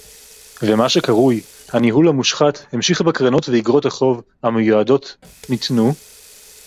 ומה שקרוי הניהול המושחת המשיך בקרנות ואיגרות החוב המיועדות ניתנו